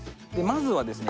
まずはですね